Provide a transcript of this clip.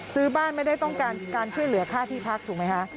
ซื้อบ้านไม่ได้ต้องการการช่วยเหลือค่าที่พักถูกไหมคะ